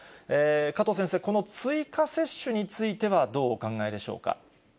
加藤先生、この追加接種についてはどうお考えでしょうか。